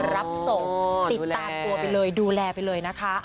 รับส่งติดตามตัวไปเลยดูแลไปเลยนะคะ